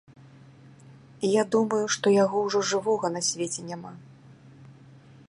Я думаю, што яго ўжо жывога на свеце няма.